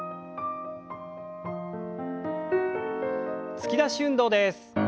突き出し運動です。